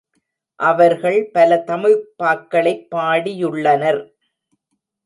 அவர்கள் பல தமிழ்ப் பாக்களைப் பாடி யுள்ளனர்.